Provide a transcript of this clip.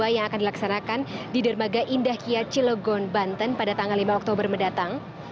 yang akan dilaksanakan di dermaga indah kiat cilegon banten pada tanggal lima oktober mendatang